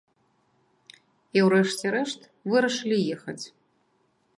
І ў рэшце рэшт вырашылі ехаць.